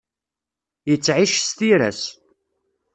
Yettεic s tira-s.